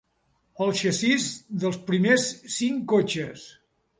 El xassís dels primers cinc cotxes.